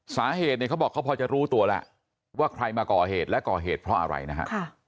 สาเหตุเนี่ยเขาบอกเขาพอจะรู้ตัวแล้วว่าใครมาก่อเหตุและก่อเหตุเพราะอะไรนะฮะ